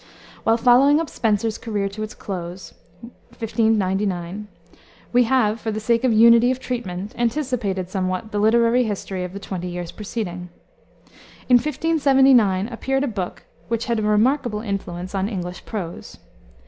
While following up Spenser's career to its close (1599), we have, for the sake of unity of treatment, anticipated somewhat the literary history of the twenty years preceding. In 1579 appeared a book which had a remarkable influence on English prose.